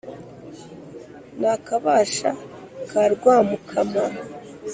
na kabasha ka rwamukama